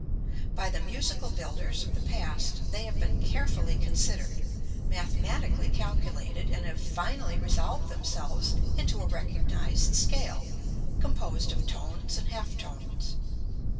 By the musical builders of the past they have been carefully considered, mathematically calculated, and have finally resolved themselves into a recognized scale, composed of tones and half tones.